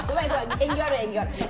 縁起悪い、縁起悪い！